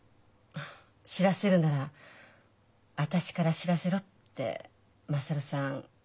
知らせるなら私から知らせろって優さんこれを。